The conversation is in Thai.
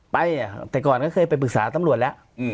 ไปแต่ก่อนก็เคยไปปรึกษาตำรวจแล้ว